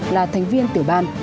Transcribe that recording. là thành viên tiểu ban